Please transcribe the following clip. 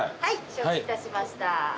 承知いたしました。